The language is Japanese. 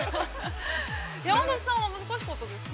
◆山里さんは難しかったですか？